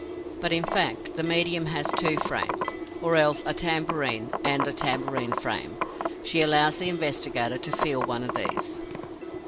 But in fact, the medium has two frames, or else a tambourine, and a tambourine frame. She allows the investigator to feel one of these.